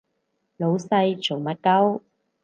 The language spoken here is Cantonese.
老細做乜 𨳊